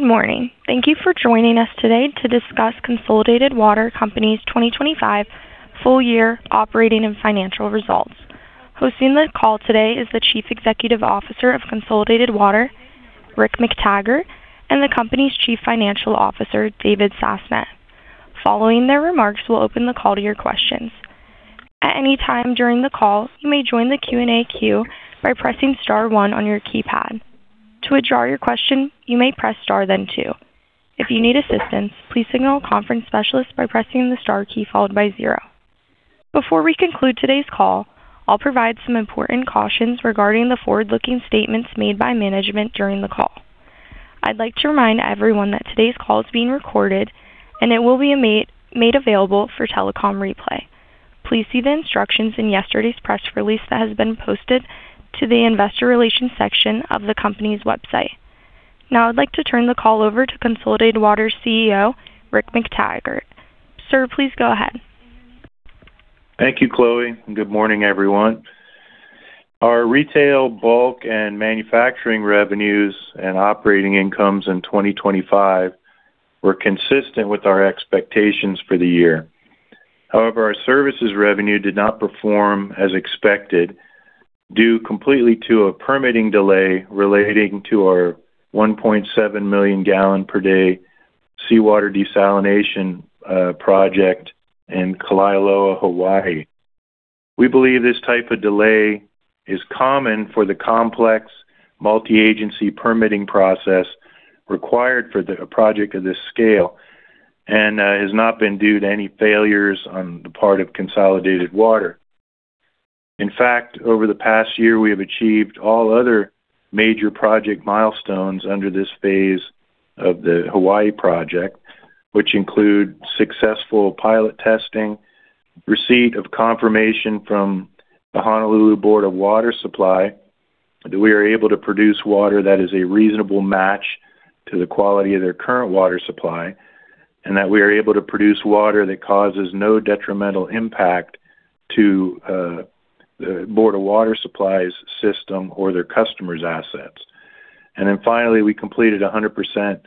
Good morning. Thank you for joining us today to discuss Consolidated Water Company 2025 Full Year Operating and Financial Results. Hosting the call today is the Chief Executive Officer of Consolidated Water, Rick McTaggart, and the company's Chief Financial Officer, David Sasnett. Following their remarks, we'll open the call to your questions. At any time during the call, you may join the Q&A queue by pressing star one on your keypad. To withdraw your question, you may press star then two. If you need assistance, please signal a conference specialist by pressing the star key followed by zero. Before we conclude today's call, I'll provide some important cautions regarding the forward-looking statements made by management during the call. I'd like to remind everyone that today's call is being recorded and it will be made available for telecom replay. Please see the instructions in yesterday's press release that has been posted to the investor relations section of the company's website. Now I'd like to turn the call over to Consolidated Water's CEO, Rick McTaggart. Sir, please go ahead. Thank you, Chloe, and good morning, everyone. Our retail, bulk, and manufacturing revenues and operating incomes in 2025 were consistent with our expectations for the year. However, our services revenue did not perform as expected due completely to a permitting delay relating to our 1.7 million gal/day seawater desalination project in Kalaeloa, Hawaii. We believe this type of delay is common for the complex multi-agency permitting process required for the project of this scale and has not been due to any failures on the part of Consolidated Water. In fact, over the past year, we have achieved all other major project milestones under this phase of the Hawaii project, which include successful pilot testing, receipt of confirmation from the Honolulu Board of Water Supply that we are able to produce water that is a reasonable match to the quality of their current water supply, and that we are able to produce water that causes no detrimental impact to, the Board of Water Supply's system or their customers' assets. Finally, we completed 100%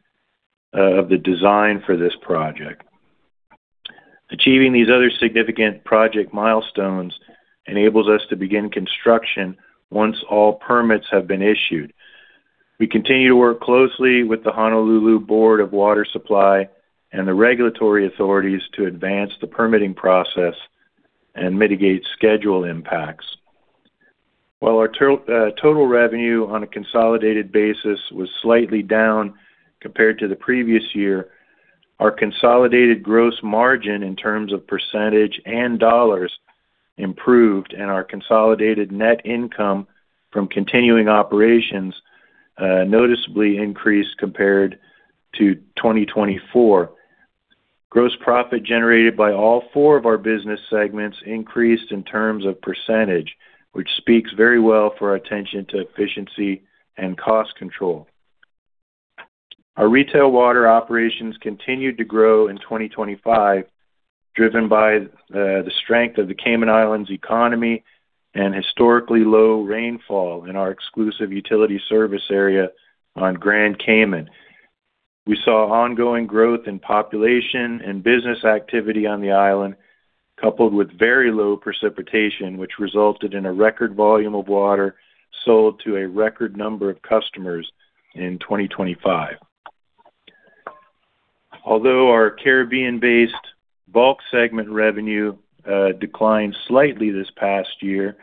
of the design for this project. Achieving these other significant project milestones enables us to begin construction once all permits have been issued. We continue to work closely with the Honolulu Board of Water Supply and the regulatory authorities to advance the permitting process and mitigate schedule impacts. While our total revenue on a consolidated basis was slightly down compared to the previous year, our consolidated gross margin in terms of percentage and dollars improved and our consolidated net income from continuing operations noticeably increased compared to 2024. Gross profit generated by all four of our business segments increased in terms of percentage, which speaks very well for our attention to efficiency and cost control. Our retail water operations continued to grow in 2025, driven by the strength of the Cayman Islands economy and historically low rainfall in our exclusive utility service area on Grand Cayman. We saw ongoing growth in population and business activity on the island, coupled with very low precipitation, which resulted in a record volume of water sold to a record number of customers in 2025. Although our Caribbean-based bulk segment revenue declined slightly this past year,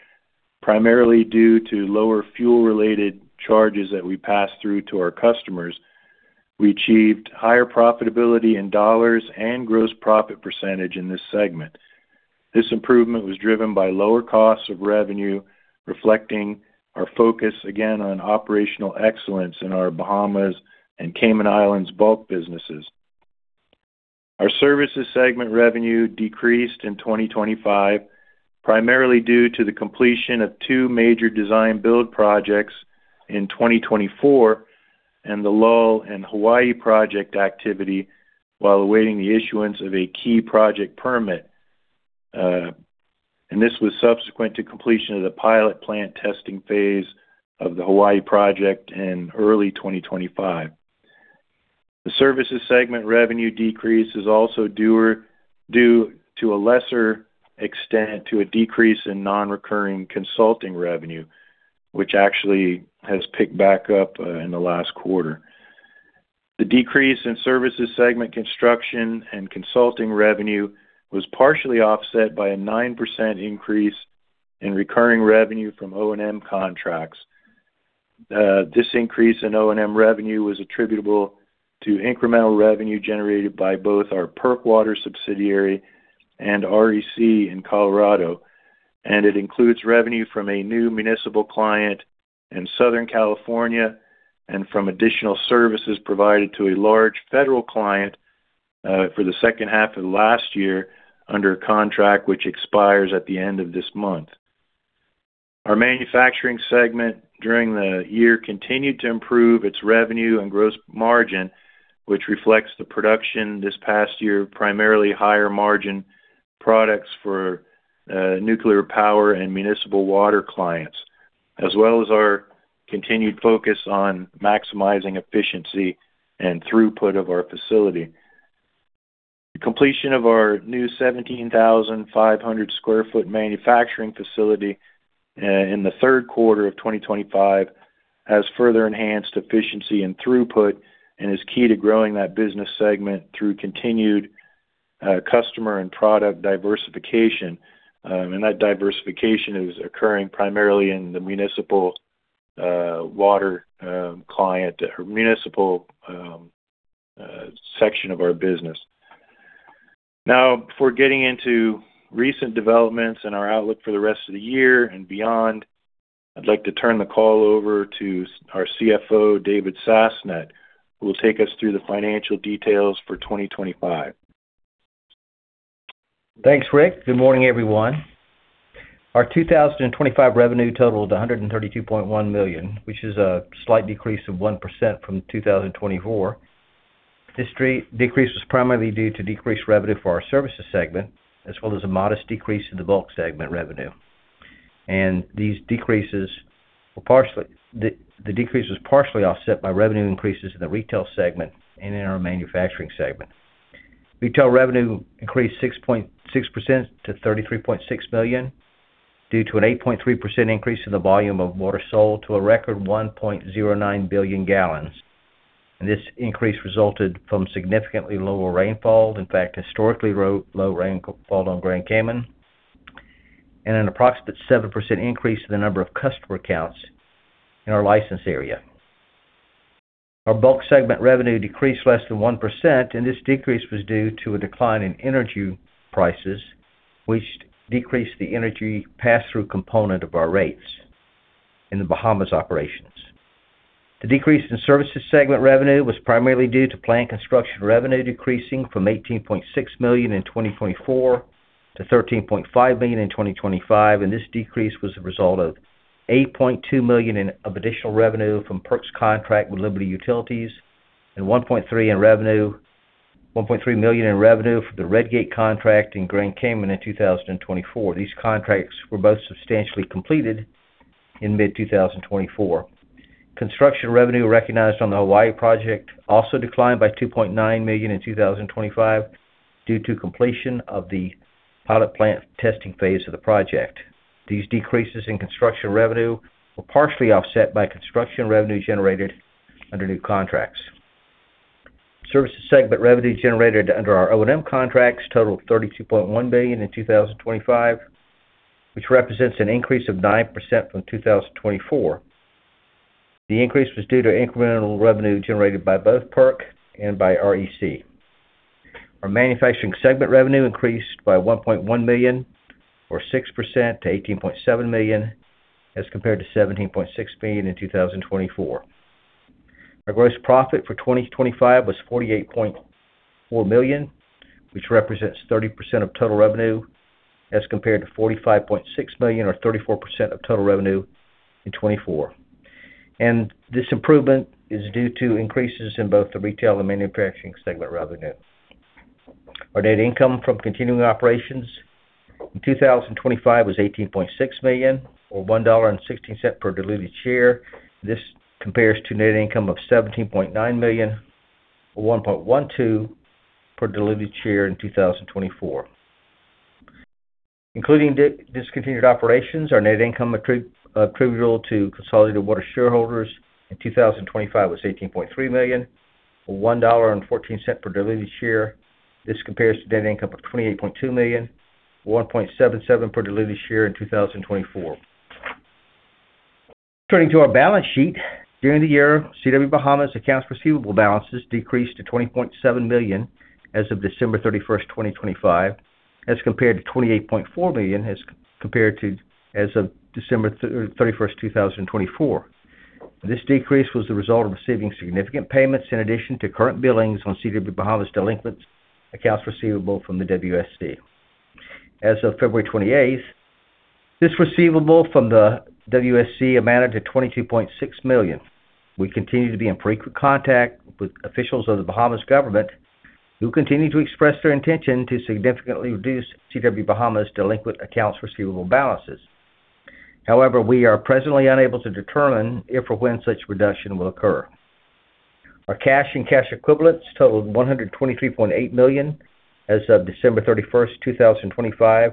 primarily due to lower fuel-related charges that we passed through to our customers, we achieved higher profitability in dollars and gross profit percentage in this segment. This improvement was driven by lower costs of revenue, reflecting our focus again on operational excellence in our Bahamas and Cayman Islands bulk businesses. Our services segment revenue decreased in 2025, primarily due to the completion of two major design build projects in 2024 and the lull in Hawaii project activity while awaiting the issuance of a key project permit. This was subsequent to completion of the pilot plant testing phase of the Hawaii project in early 2025. The services segment revenue decrease is also due to a lesser extent to a decrease in non-recurring consulting revenue, which actually has picked back up in the last quarter. The decrease in services segment construction and consulting revenue was partially offset by a 9% increase in recurring revenue from O&M contracts. This increase in O&M revenue was attributable to incremental revenue generated by both our PERC Water subsidiary and REC in Colorado. It includes revenue from a new municipal client in Southern California and from additional services provided to a large federal client, for the second half of last year under a contract which expires at the end of this month. Our manufacturing segment during the year continued to improve its revenue and gross margin, which reflects the production this past year, primarily higher margin products for nuclear power and municipal water clients, as well as our continued focus on maximizing efficiency and throughput of our facility. Completion of our new 17,500 sq ft manufacturing facility in the third quarter of 2025 has further enhanced efficiency and throughput and is key to growing that business segment through continued customer and product diversification. That diversification is occurring primarily in the municipal water client or municipal section of our business. Now, before getting into recent developments and our outlook for the rest of the year and beyond, I'd like to turn the call over to our CFO, David Sasnett, who will take us through the financial details for 2025. Thanks, Rick. Good morning, everyone. Our 2025 revenue totaled $132.1 million, which is a slight decrease of 1% from 2024. This decrease was primarily due to decreased revenue for our services segment, as well as a modest decrease in the bulk segment revenue. These decreases were partially offset by revenue increases in the retail segment and in our manufacturing segment. Retail revenue increased 6.6% to $33.6 million due to an 8.3% increase in the volume of water sold to a record 1.09 billion gal. This increase resulted from significantly lower rainfall, in fact, historically record-low rainfall on Grand Cayman, and an approximate 7% increase in the number of customer accounts in our license area. Our bulk segment revenue decreased less than 1%, and this decrease was due to a decline in energy prices, which decreased the energy pass-through component of our rates in the Bahamas operations. The decrease in services segment revenue was primarily due to plant construction revenue decreasing from $18.6 million in 2024 to $13.5 million in 2025, and this decrease was the result of $8.2 million of additional revenue from PERC's contract with Liberty Utilities and $1.3 million in revenue for the Red Gate contract in Grand Cayman in 2024. These contracts were both substantially completed in mid-2024. Construction revenue recognized on the Hawaii project also declined by $2.9 million in 2025 due to completion of the pilot plant testing phase of the project. These decreases in construction revenue were partially offset by construction revenue generated under new contracts. Services segment revenues generated under our O&M contracts totaled $32.1 billion in 2025, which represents an increase of 9% from 2024. The increase was due to incremental revenue generated by both PERC and by REC. Our manufacturing segment revenue increased by $1.1 million or 6% to $18.7 million as compared to $17.6 million in 2024. Our gross profit for 2025 was $48.4 million, which represents 30% of total revenue as compared to $45.6 million or 34% of total revenue in 2024. This improvement is due to increases in both the retail and manufacturing segment revenue. Our net income from continuing operations in 2025 was $18.6 million or $1.16 per diluted share. This compares to net income of $17.9 million or $1.12 per diluted share in 2024. Including discontinued operations, our net income attributable to Consolidated Water shareholders in 2025 was $18.3 million or $1.14 per diluted share. This compares to net income of $28.2 million or $1.77 per diluted share in 2024. Turning to our balance sheet, during the year, CW Bahamas accounts receivable balances decreased to $20.7 million as of December 31st, 2025, as compared to $28.4 million as of December 31st, 2024. This decrease was the result of receiving significant payments in addition to current billings on CW Bahamas' delinquent accounts receivable from the WSC. As of February 28th, this receivable from the WSC amounted to $22.6 million. We continue to be in frequent contact with officials of the Bahamas government who continue to express their intention to significantly reduce CW Bahamas' delinquent accounts receivable balances. However, we are presently unable to determine if or when such reduction will occur. Our cash and cash equivalents totaled $123.8 million as of December 31st, 2025,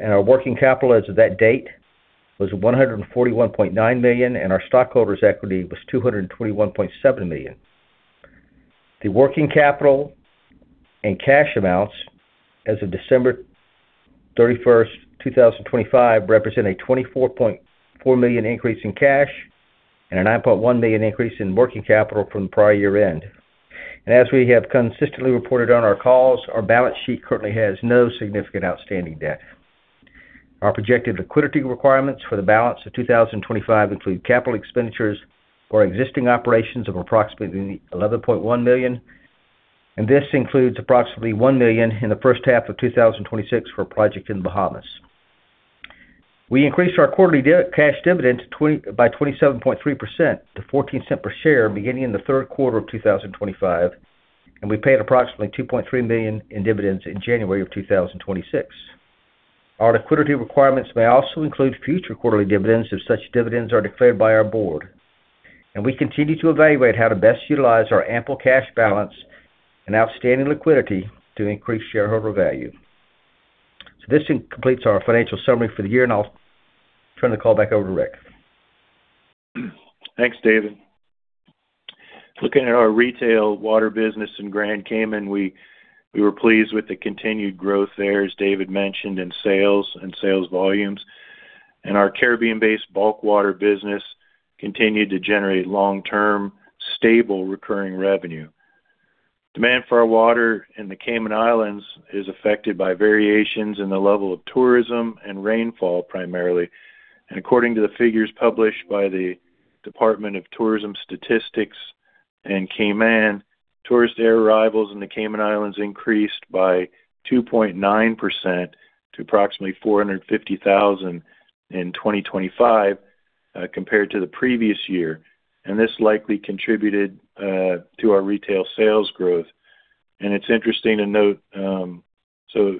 and our working capital as of that date was $141.9 million, and our stockholders' equity was $221.7 million. The working capital and cash amounts as of December 31st, 2025, represent a $24.4 million increase in cash and a $9.1 million increase in working capital from the prior year-end. As we have consistently reported on our calls, our balance sheet currently has no significant outstanding debt. Our projected liquidity requirements for the balance of 2025 include capital expenditures for existing operations of approximately $11.1 million, and this includes approximately $1 million in the first half of 2026 for a project in the Bahamas. We increased our quarterly cash dividend by 27.3% to $0.14 per share beginning in the third quarter of 2025. We paid approximately $2.3 million in dividends in January of 2026. Our liquidity requirements may also include future quarterly dividends if such dividends are declared by our board. We continue to evaluate how to best utilize our ample cash balance and outstanding liquidity to increase shareholder value. This completes our financial summary for the year, and I'll turn the call back over to Rick. Thanks, David. Looking at our retail water business in Grand Cayman, we were pleased with the continued growth there, as David mentioned, in sales and sales volumes. Our Caribbean-based bulk water business continued to generate long-term, stable, recurring revenue. Demand for our water in the Cayman Islands is affected by variations in the level of tourism and rainfall primarily. According to the figures published by the Department of Tourism Statistics in Cayman, tourist air arrivals in the Cayman Islands increased by 2.9% to approximately 450,000 in 2025 compared to the previous year. This likely contributed to our retail sales growth. It's interesting to note, so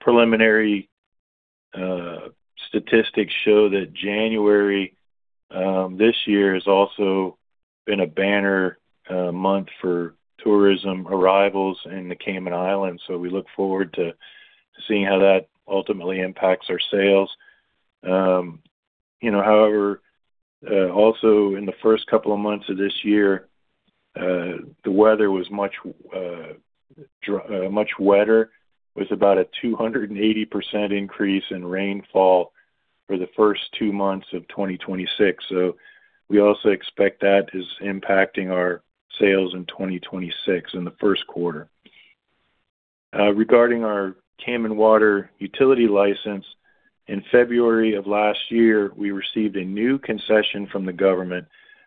preliminary statistics show that January this year has also been a banner month for tourism arrivals in the Cayman Islands. We look forward to seeing how that ultimately impacts our sales. You know, however, also in the first couple of months of this year, the weather was much wetter. It was about a 280% increase in rainfall for the first two months of 2026. We also expect that is impacting our sales in 2026 in the first quarter. Regarding our Cayman Water utility license, in February of last year, we received a new concession from the government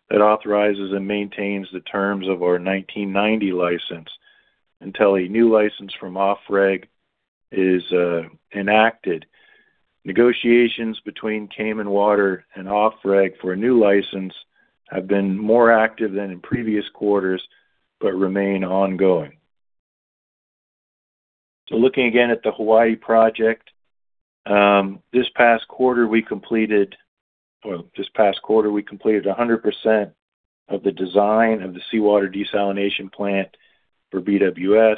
that authorizes and maintains the terms of our 1990 license until a new license from OfReg is enacted. Negotiations between Cayman Water and OfReg for a new license have been more active than in previous quarters, but remain ongoing. Looking again at the Hawaii project, this past quarter, we completed. Well, this past quarter, we completed 100% of the design of the seawater desalination plant for BWS,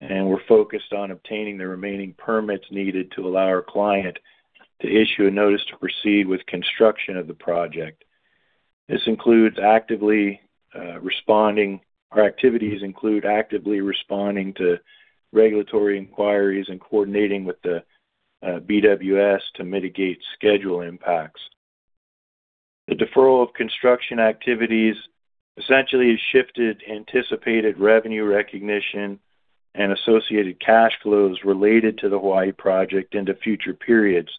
and we're focused on obtaining the remaining permits needed to allow our client to issue a notice to proceed with construction of the project. This includes actively responding to regulatory inquiries and coordinating with the BWS to mitigate schedule impacts. The deferral of construction activities essentially has shifted anticipated revenue recognition and associated cash flows related to the Hawaii project into future periods.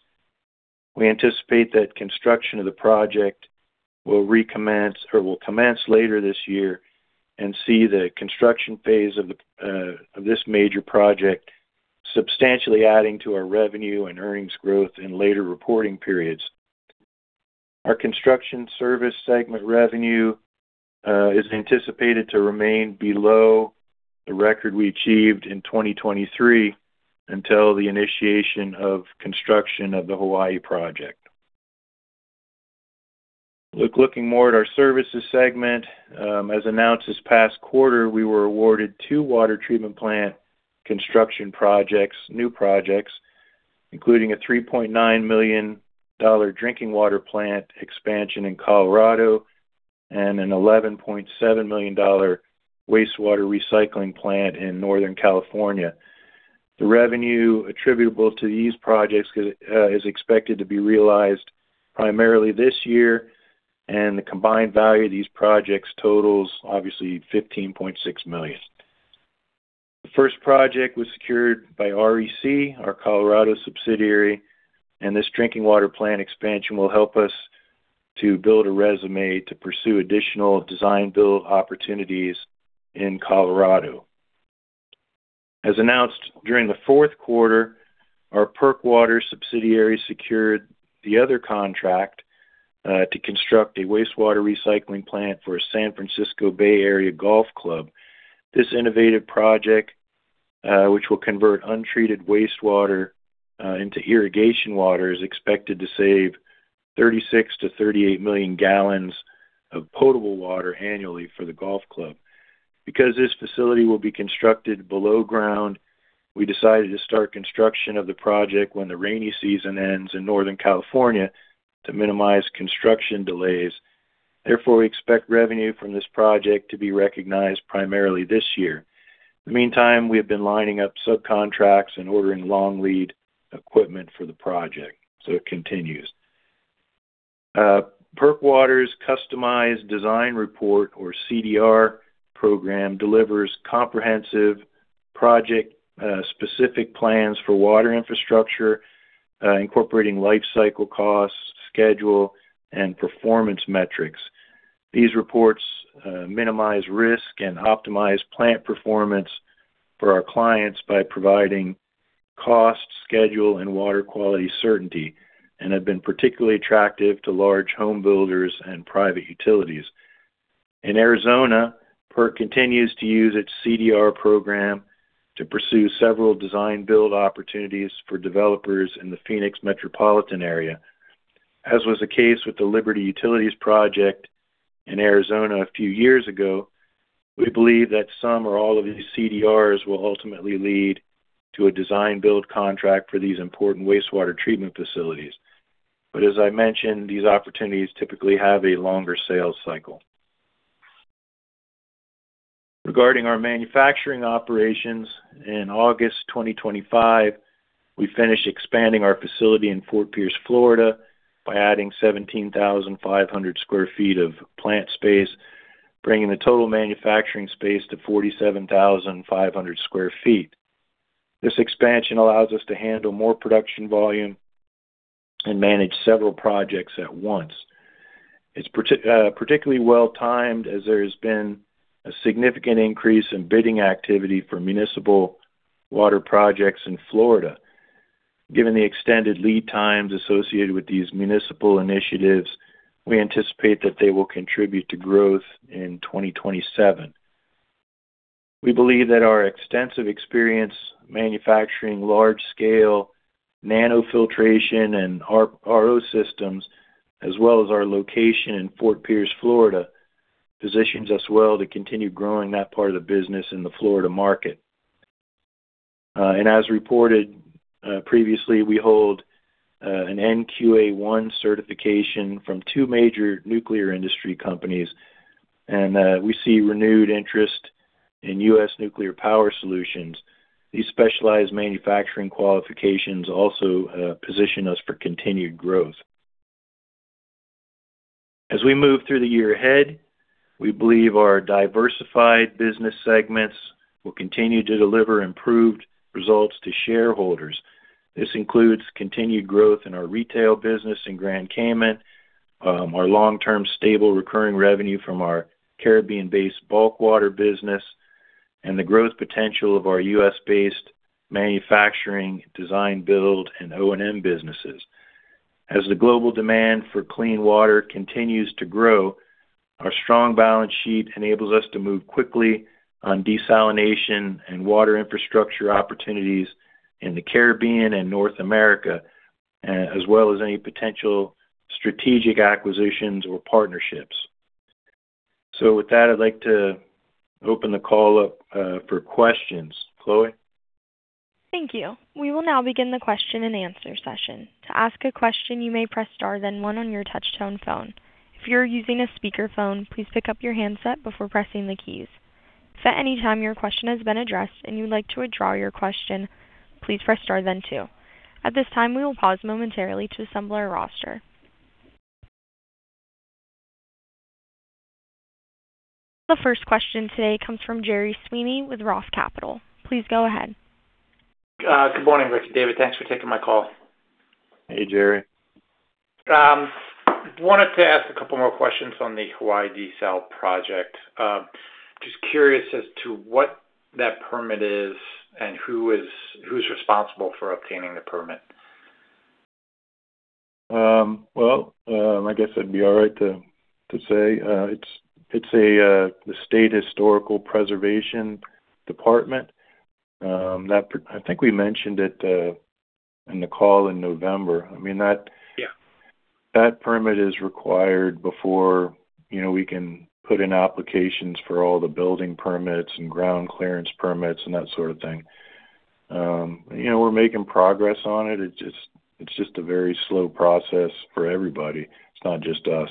We anticipate that construction of the project will recommence or will commence later this year and see the construction phase of this major project substantially adding to our revenue and earnings growth in later reporting periods. Our construction service segment revenue is anticipated to remain below the record we achieved in 2023 until the initiation of construction of the Hawaii project. Looking more at our services segment, as announced this past quarter, we were awarded two water treatment plant construction projects, new projects, including a $3.9 million drinking water plant expansion in Colorado and an $11.7 million wastewater recycling plant in Northern California. The revenue attributable to these projects is expected to be realized primarily this year, and the combined value of these projects totals obviously $15.6 million. The first project was secured by REC, our Colorado subsidiary, and this drinking water plant expansion will help us to build a resume to pursue additional design build opportunities in Colorado. As announced during the fourth quarter, our PERC Water subsidiary secured the other contract to construct a wastewater recycling plant for a San Francisco Bay Area golf club. This innovative project, which will convert untreated wastewater into irrigation water, is expected to save 36,000,000-38,000,000 gal of potable water annually for the golf club. Because this facility will be constructed below ground, we decided to start construction of the project when the rainy season ends in Northern California to minimize construction delays. Therefore, we expect revenue from this project to be recognized primarily this year. In the meantime, we have been lining up subcontracts and ordering long lead equipment for the project. It continues. PERC Water's customized design report or CDR program delivers comprehensive project specific plans for water infrastructure, incorporating life cycle costs, schedule, and performance metrics. These reports minimize risk and optimize plant performance for our clients by providing cost, schedule, and water quality certainty and have been particularly attractive to large home builders and private utilities. In Arizona, PERC continues to use its CDR program to pursue several design build opportunities for developers in the Phoenix metropolitan area. As was the case with the Liberty Utilities project in Arizona a few years ago, we believe that some or all of these CDRs will ultimately lead to a design build contract for these important wastewater treatment facilities. As I mentioned, these opportunities typically have a longer sales cycle. Regarding our manufacturing operations, in August 2025, we finished expanding our facility in Fort Pierce, Florida, by adding 17,500 sq ft of plant space, bringing the total manufacturing space to 47,500 sq ft. This expansion allows us to handle more production volume and manage several projects at once. It's particularly well timed as there has been a significant increase in bidding activity for municipal water projects in Florida. Given the extended lead times associated with these municipal initiatives, we anticipate that they will contribute to growth in 2027. We believe that our extensive experience manufacturing large scale nanofiltration and RO systems, as well as our location in Fort Pierce, Florida, positions us well to continue growing that part of the business in the Florida market. As reported previously, we hold an NQA-1 certification from two major nuclear industry companies, and we see renewed interest in U.S. nuclear power solutions. These specialized manufacturing qualifications also position us for continued growth. As we move through the year ahead, we believe our diversified business segments will continue to deliver improved results to shareholders. This includes continued growth in our retail business in Grand Cayman, our long-term stable recurring revenue from our Caribbean-based bulk water business, and the growth potential of our U.S.-based manufacturing design build and O&M businesses. As the global demand for clean water continues to grow, our strong balance sheet enables us to move quickly on desalination and water infrastructure opportunities in the Caribbean and North America, as well as any potential strategic acquisitions or partnerships. With that, I'd like to open the call up for questions. Chloe? Thank you. We will now begin the question and answer session. To ask a question, you may press star then one on your touch-tone phone. If you're using a speakerphone, please pick up your handset before pressing the keys. If at any time your question has been addressed and you would like to withdraw your question, please press star then two. At this time, we will pause momentarily to assemble our roster. The first question today comes from Gerry Sweeney with ROTH Capital. Please go ahead. Good morning, Rick and David. Thanks for taking my call. Hey, Gerry. Wanted to ask a couple more questions on the Hawaii desal project. Just curious as to what that permit is and who's responsible for obtaining the permit. Well, I guess it'd be all right to say it's the State Historic Preservation Department. I think we mentioned it in the call in November. I mean, that. Yeah. That permit is required before, you know, we can put in applications for all the building permits and ground clearance permits and that sort of thing. You know, we're making progress on it. It's just a very slow process for everybody. It's not just us.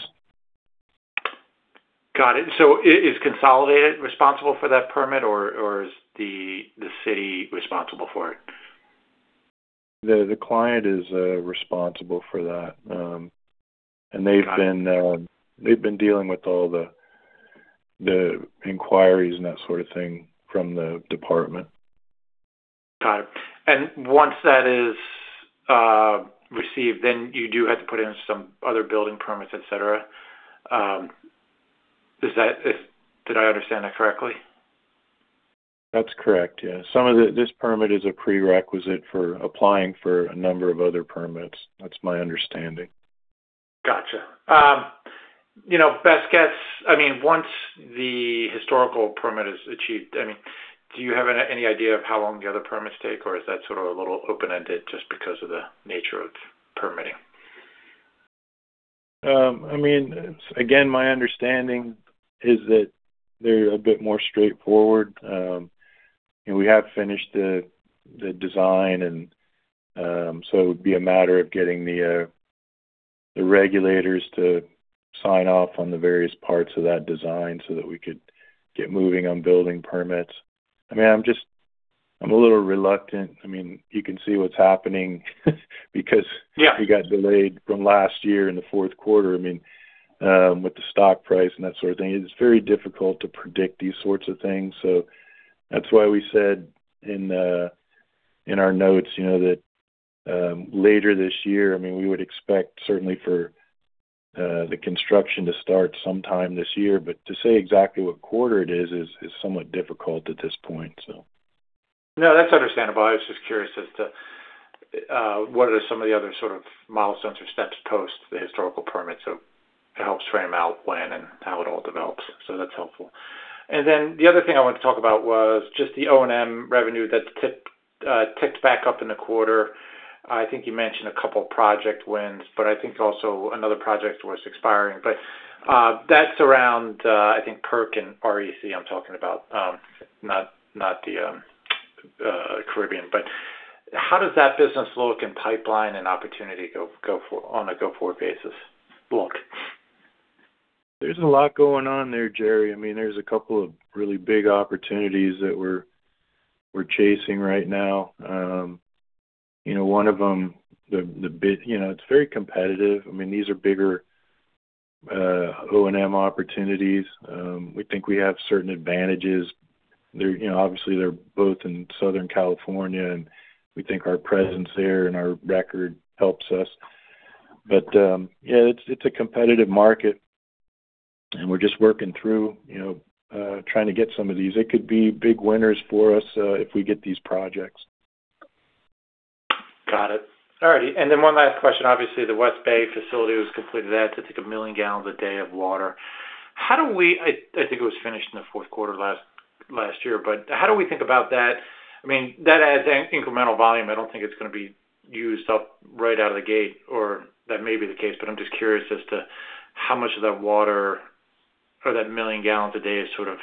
Got it. Is Consolidated responsible for that permit or is the city responsible for it? The client is responsible for that. They've been dealing with all the inquiries and that sort of thing from the department. Got it. Once that is received, then you do have to put in some other building permits, et cetera. Did I understand that correctly? That's correct. Yeah. This permit is a prerequisite for applying for a number of other permits. That's my understanding. Gotcha. You know, best guess, I mean, once the historical permit is achieved, I mean, do you have any idea of how long the other permits take, or is that sort of a little open-ended just because of the nature of permitting? I mean, again, my understanding is that they're a bit more straightforward. We have finished the design, so it would be a matter of getting the regulators to sign off on the various parts of that design so that we could get moving on building permits. I mean, I'm a little reluctant. I mean, you can see what's happening because. Yeah. We got delayed from last year in the fourth quarter, I mean, with the stock price and that sort of thing. It's very difficult to predict these sorts of things. That's why we said in our notes, you know, that later this year, I mean, we would expect certainly for the construction to start sometime this year, but to say exactly what quarter it is is somewhat difficult at this point. No, that's understandable. I was just curious as to what are some of the other sort of milestones or steps post the historical permits so it helps frame out when and how it all develops. That's helpful. Then the other thing I wanted to talk about was just the O&M revenue that ticked back up in the quarter. I think you mentioned a couple project wins, but I think also another project was expiring. That's around, I think PERC and REC I'm talking about, not the Caribbean. How does that business look in pipeline and opportunity go for on a go-forward basis look? There's a lot going on there, Gerry. I mean, there's a couple of really big opportunities that we're chasing right now. You know, one of them, it's very competitive. I mean, these are bigger O&M opportunities. We think we have certain advantages. You know, obviously they're both in Southern California, and we think our presence there and our record helps us. Yeah, it's a competitive market, and we're just working through, you know, trying to get some of these. It could be big winners for us if we get these projects. Got it. All right. One last question. Obviously, the West Bay facility was completed. That took a million gallons a day of water. I think it was finished in the fourth quarter last year, but how do we think about that? I mean, that adds an incremental volume. I don't think it's going to be used up right out of the gate, or that may be the case, but I'm just curious as to how much of that water or that million gallons a day is sort of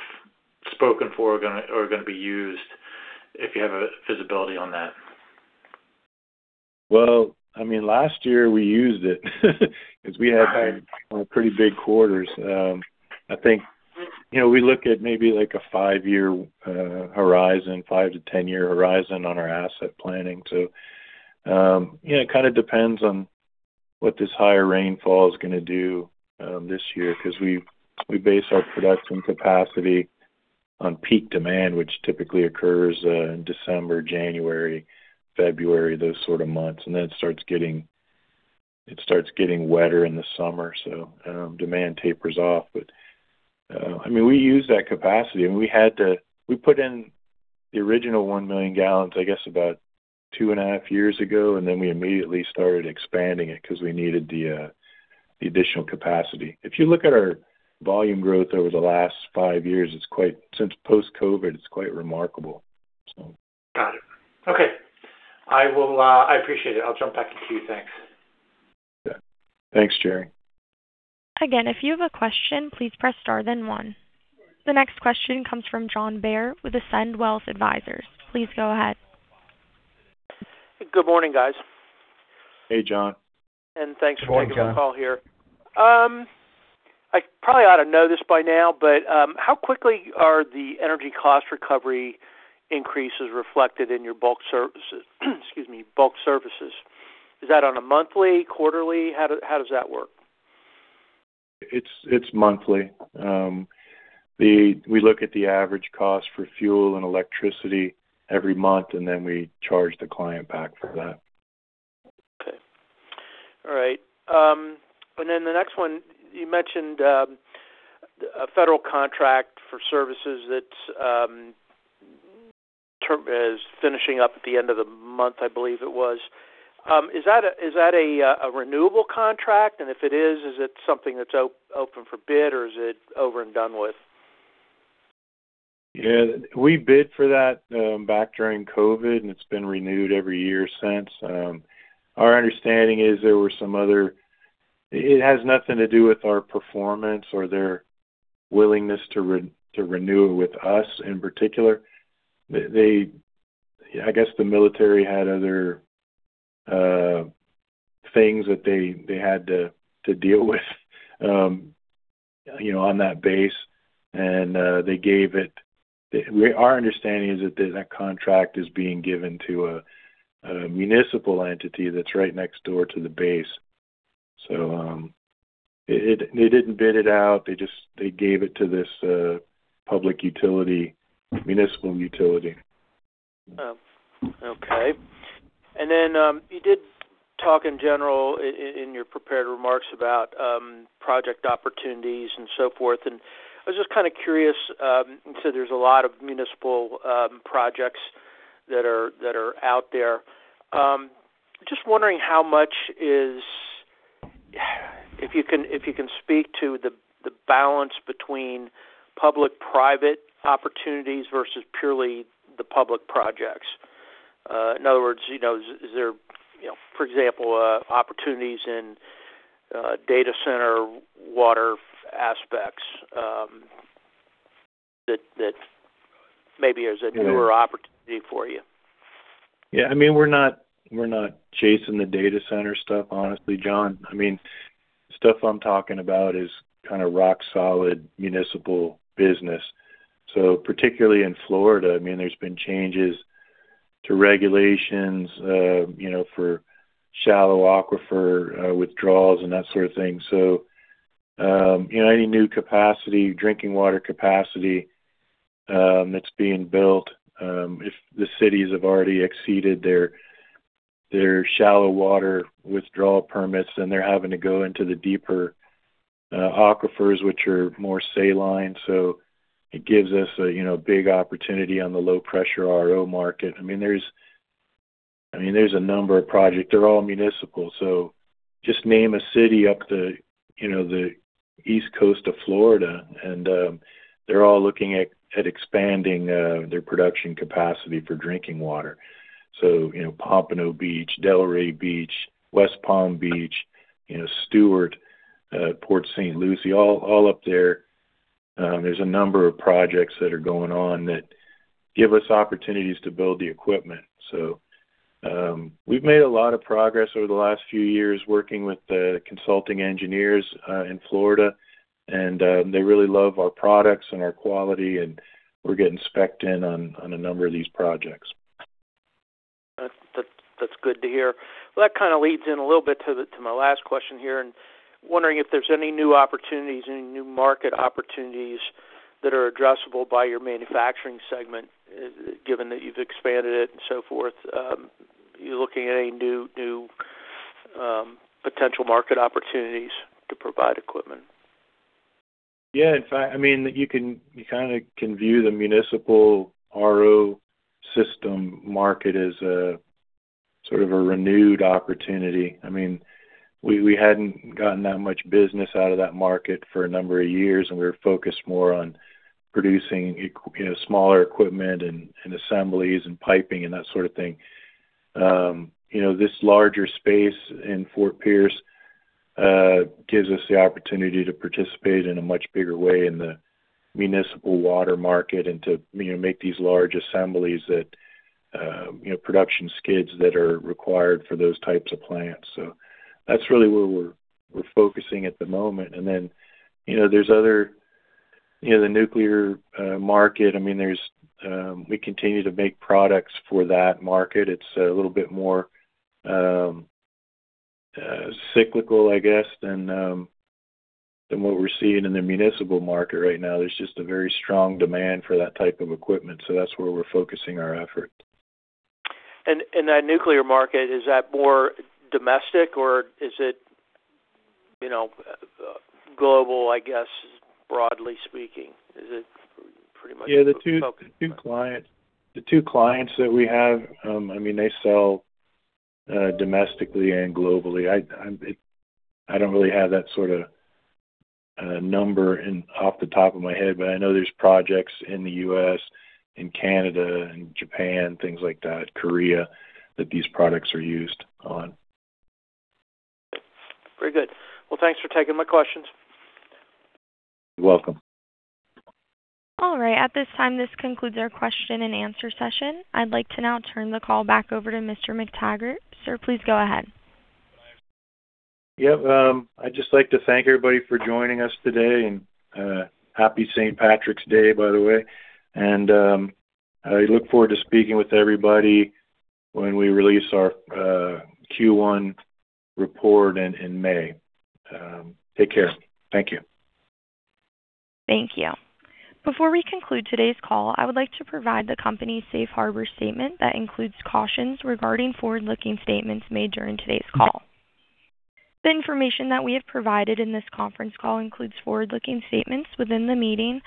spoken for or gonna be used, if you have a visibility on that. Well, I mean, last year we used it because we had pretty big quarters. I think, you know, we look at maybe like a five-year horizon, five to 10-year horizon on our asset planning. You know, it kind of depends on what this higher rainfall is gonna do this year because we base our production capacity on peak demand, which typically occurs in December, January, February, those sort of months. It starts getting wetter in the summer. Demand tapers off. I mean, we use that capacity and we put in the original 1,000,000 gal, I guess, about two and a half years ago, and then we immediately started expanding it because we needed the additional capacity. If you look at our volume growth over the last five years, since post-COVID, it's quite remarkable, so. Got it. Okay. I will, I appreciate it. I'll jump back toqueue. Thanks. Yeah. Thanks, Gerry. Again, if you have a question, please press star then one. The next question comes from John Bair with Ascend Wealth Advisors. Please go ahead. Good morning, guys. Hey, John. Thanks for taking my call here. Good morning, John. I probably ought to know this by now, but how quickly are the energy cost recovery increases reflected in your bulk services? Excuse me, bulk services. Is that on a monthly, quarterly? How does that work? It's monthly. We look at the average cost for fuel and electricity every month, and then we charge the client back for that. Okay. All right. The next one you mentioned, a federal contract for services that is finishing up at the end of the month, I believe it was. Is that a renewable contract? If it is it something that's open for bid or is it over and done with? Yeah. We bid for that back during COVID, and it's been renewed every year since. Our understanding is there were some other. It has nothing to do with our performance or their willingness to renew with us in particular. They, I guess the military had other things that they had to deal with, you know, on that base. They gave it. Our understanding is that that contract is being given to a municipal entity that's right next door to the base. They didn't bid it out. They just gave it to this public utility, municipal utility. Oh, okay. Then you did talk in general in your prepared remarks about project opportunities and so forth. I was just kind of curious. You said there's a lot of municipal projects that are out there. Just wondering how much is. If you can speak to the balance between public-private opportunities versus purely the public projects. In other words, you know, is there, you know, for example, opportunities in data center water aspects that maybe is a newer opportunity for you? Yeah. I mean, we're not chasing the data center stuff, honestly, John. I mean, stuff I'm talking about is kind of rock solid municipal business. Particularly in Florida, I mean, there's been changes to regulations, you know, for shallow aquifer withdrawals and that sort of thing. Any new capacity, drinking water capacity, it's being built. If the cities have already exceeded their shallow water withdrawal permits and they're having to go into the deeper aquifers which are more saline. It gives us a, you know, big opportunity on the low pressure RO market. I mean, there's a number of projects. They're all municipal, so just name a city up the, you know, the East Coast of Florida and, they're all looking at expanding their production capacity for drinking water. You know, Pompano Beach, Delray Beach, West Palm Beach, you know, Stuart, Port St. Lucie, all up there. There's a number of projects that are going on that give us opportunities to build the equipment. We've made a lot of progress over the last few years working with the consulting engineers in Florida. They really love our products and our quality, and we're getting specced in on a number of these projects. That's good to hear. Well, that kinda leads in a little bit to the to my last question here. Wondering if there's any new opportunities, any new market opportunities that are addressable by your manufacturing segment, given that you've expanded it and so forth. Are you looking at any new potential market opportunities to provide equipment? Yeah. In fact, I mean, you kinda can view the municipal RO system market as a sort of a renewed opportunity. I mean, we hadn't gotten that much business out of that market for a number of years, and we were focused more on producing you know, smaller equipment and assemblies and piping and that sort of thing. You know, this larger space in Fort Pierce gives us the opportunity to participate in a much bigger way in the municipal water market and to, you know, make these large assemblies that, you know, production skids that are required for those types of plants. That's really where we're focusing at the moment. You know, there's other, you know, the nuclear market, I mean, there's we continue to make products for that market. It's a little bit more cyclical, I guess, than what we're seeing in the municipal market right now. There's just a very strong demand for that type of equipment, so that's where we're focusing our efforts. That nuclear market, is that more domestic or is it, you know, global, I guess, broadly speaking? Is it pretty much the focus? Yeah. The two clients that we have, I mean, they sell domestically and globally. I don't really have that sorta number off the top of my head, but I know there's projects in the U.S., in Canada, in Japan, things like that, Korea, that these products are used on. Very good. Well, thanks for taking my questions. You're welcome. All right. At this time, this concludes our question and answer session. I'd like to now turn the call back over to Mr. McTaggart. Sir, please go ahead. Yep. I'd just like to thank everybody for joining us today. Happy St. Patrick's Day, by the way. I look forward to speaking with everybody when we release our Q1 report in May. Take care. Thank you. Thank you. Before we conclude today's call, I would like to provide the company's safe harbor statement that includes cautions regarding forward-looking statements made during today's call. The information that we have provided in this conference call includes forward-looking statements within the meaning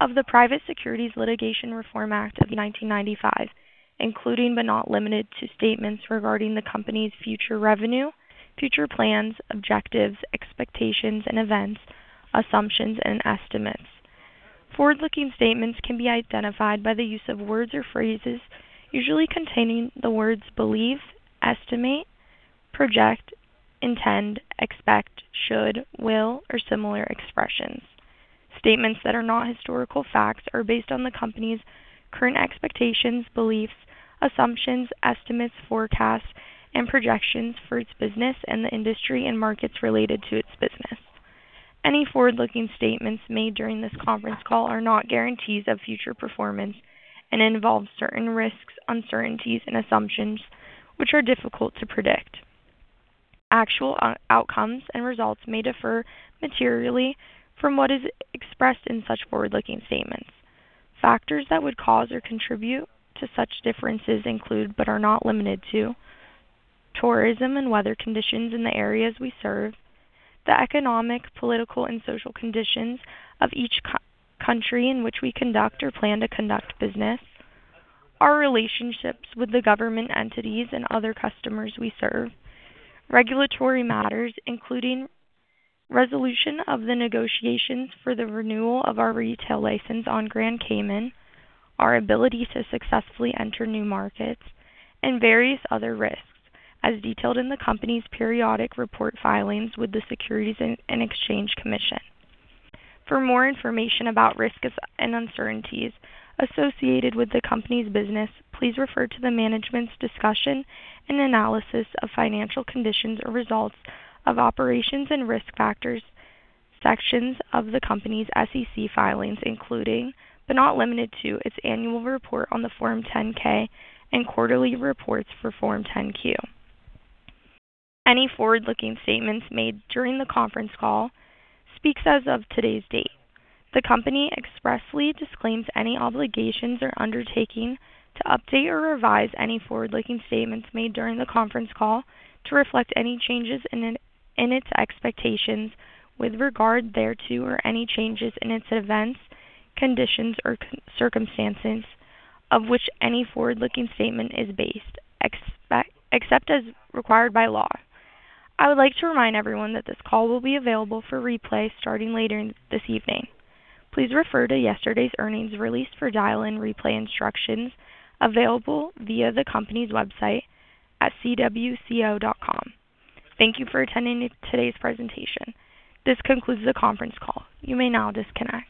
of the Private Securities Litigation Reform Act of 1995, including but not limited to statements regarding the company's future revenue, future plans, objectives, expectations and events, assumptions and estimates. Forward-looking statements can be identified by the use of words or phrases usually containing the words believes, estimate, project, intend, expect, should, will, or similar expressions. Statements that are not historical facts are based on the company's current expectations, beliefs, assumptions, estimates, forecasts and projections for its business and the industry and markets related to its business. Any forward-looking statements made during this conference call are not guarantees of future performance and involve certain risks, uncertainties, and assumptions which are difficult to predict. Actual outcomes and results may differ materially from what is expressed in such forward-looking statements. Factors that would cause or contribute to such differences include, but are not limited to tourism and weather conditions in the areas we serve, the economic, political and social conditions of each country in which we conduct or plan to conduct business, our relationships with the government entities and other customers we serve, regulatory matters, including resolution of the negotiations for the renewal of our retail license on Grand Cayman, our ability to successfully enter new markets and various other risks as detailed in the company's periodic report filings with the Securities and Exchange Commission. For more information about risks and uncertainties associated with the company's business, please refer to the management's discussion and analysis of financial conditions or results of operations and risk factors sections of the company's SEC filings, including but not limited to, its annual report on the Form 10-K and quarterly reports for Form 10-Q. Any forward-looking statements made during the conference call speaks as of today's date. The company expressly disclaims any obligations or undertaking to update or revise any forward-looking statements made during the conference call to reflect any changes in its expectations with regard thereto, or any changes in its events, conditions, or circumstances of which any forward-looking statement is based, except as required by law. I would like to remind everyone that this call will be available for replay starting later this evening. Please refer to yesterday's earnings release for dial-in replay instructions available via the company's website at cwco.com. Thank you for attending today's presentation. This concludes the conference call. You may now disconnect.